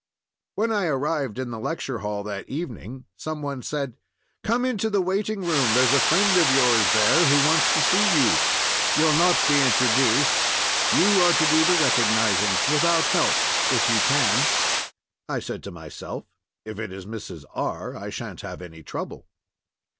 When I arrived in the lecture hall that evening some one said: "Come into the waiting room; there's a friend of yours there who wants to see you. You'll not be introduced—you are to do the recognizing without help if you can." I said to myself: "It is Mrs. R.; I shan't have any trouble."